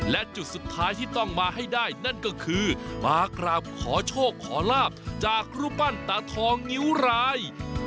และจุดสุดท้ายที่ต้องมาให้ได้นั่นก็คือมากราบขอโชคขอลาบจากรูปปั้นตาทองงิ้วราย